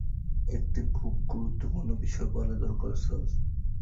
একটা খুবই গুরুত্বপূর্ণ বিষয় বলা দরকার, স্যার।